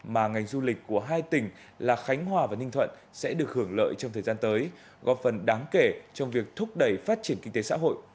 mà ngành du lịch của hai tỉnh là khánh hòa và ninh thuận sẽ được hưởng lợi trong thời gian tới góp phần đáng kể trong việc thúc đẩy phát triển kinh tế xã hội